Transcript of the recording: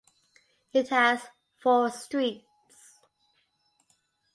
It has four streets.